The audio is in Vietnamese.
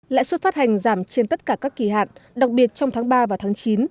lãi suất phát hành giảm trên tất cả các kỳ hạn đặc biệt trong tháng ba và tháng chín